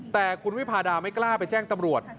แต่คุณวิพาดาไม่กล้าไปแจ้งตำรวจ